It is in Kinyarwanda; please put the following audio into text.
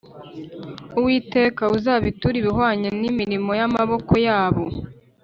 Uwiteka, Uzabiture ibihwanye n’imirimo y’amaboko yabo!